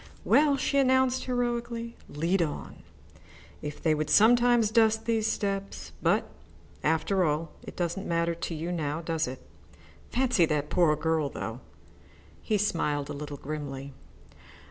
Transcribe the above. "Well," she announced heroically, "lead on. If they would sometimes dust these steps but, after all, it doesn't matter to you now, does it? Fancy that poor girl, though." He smiled a little grimly.